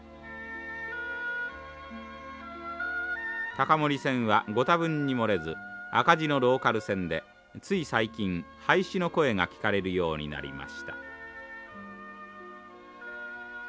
高森線はご多分に漏れず赤字のローカル線でつい最近廃止の声が聞かれるようになりました。